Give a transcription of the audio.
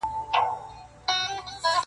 و مقام د سړیتوب ته نه رسېږې,